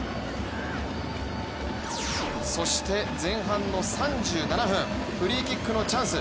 そして前半の３７分、フリーキックのチャンス。